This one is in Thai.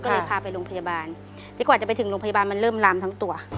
ก็เลยพาไปโรงพยาบาลดีกว่าจะไปถึงโรงพยาบาลมันเริ่มลามทั้งตัว